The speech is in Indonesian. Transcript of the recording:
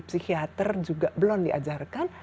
psikiater juga belum diajarkan